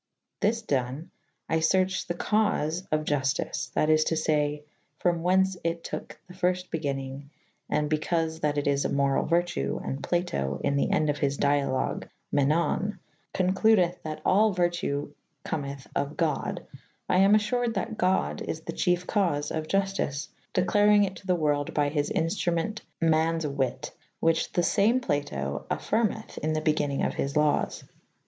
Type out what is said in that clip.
Thys done I ferche the cauie of [A vi b] Juftyce that is to faye ixom whens it toke the fyrft begynning and bycaufe that it is a morall vertue and Plato in the ende of his dialogue Menon concludeth that all vertue commyth of god I am affured that god is the chefe caufe of Juftice declaring it to the worlde by his inftrument mannes wyt whiche the fame Plato affyrmythe in the begynning of his lawes.